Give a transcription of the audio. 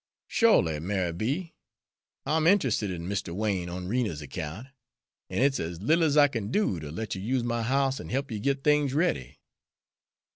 "Shorely, Ma'y B. I'm int'rested in Mr. Wain on Rena's account, an' it's as little as I kin do to let you use my house an' help you git things ready."